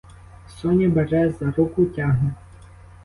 Соня бере за руку, тягне.